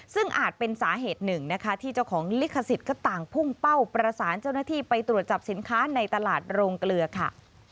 ซึ่งอาจเป็นสาเหตุหนึ่งนะคะที่เจ้าของลิขสิทธิ์ก็ต่างพุ่งเป้าประสานเจ้าหน้าที่ไปตรวจจับสินค้าในตลาดโรงเกลือค่ะ